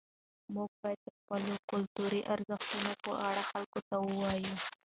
موږ باید د خپلو کلتوري ارزښتونو په اړه خلکو ته ووایو.